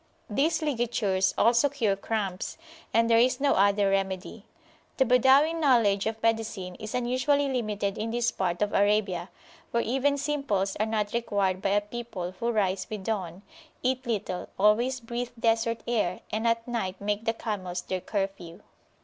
These ligatures also cure crampsand there is no other remedy. The Badawi knowledge of medicine is unusually limited in this part of Arabia, where even simples are not required by a people who rise with dawn, eat little, always breathe Desert air, and at night make the camels their curfew.